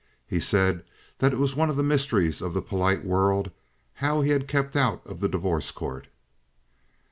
He said that it was one of the mysteries of the polite world how he had kept out of the Divorce Court."